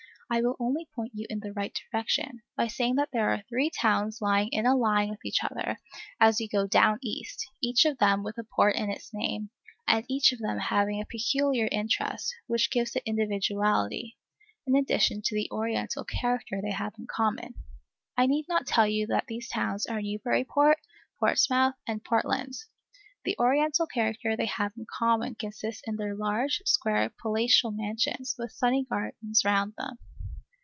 I will only point you in the right direction, by saying that there are three towns lying in a line with each other, as you go "down East," each of them with a Port in its name, and each of them having a peculiar interest which gives it individuality, in addition to the Oriental character they have in common. I need not tell you that these towns are Newburyport, Portsmouth, and Portland. The Oriental character they have in common consists in their large, square, palatial mansions, with sunny gardens round them.